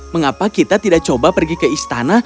mengapa kita tidak coba pergi ke istana